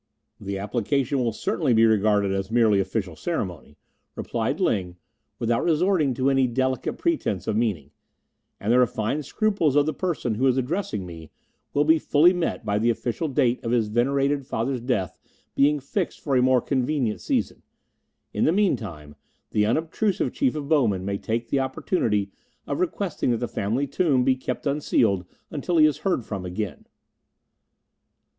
"The application will certainly be regarded as merely official ceremony," replied Ling, without resorting to any delicate pretence of meaning, "and the refined scruples of the person who is addressing me will be fully met by the official date of his venerated father's death being fixed for a more convenient season. In the meantime, the unobtrusive Chief of Bowmen may take the opportunity of requesting that the family tomb be kept unsealed until he is heard from again."